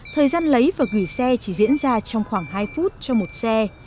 thời gian lấy và gửi xe chỉ diễn ra trong khoảng hai phút cho một xe